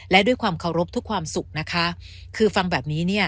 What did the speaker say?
และด้วยความเคารพทุกความสุขนะคะคือฟังแบบนี้เนี่ย